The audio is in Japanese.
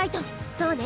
そうね。